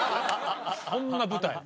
そんな舞台。